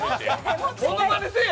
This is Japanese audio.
ものまねせぇや！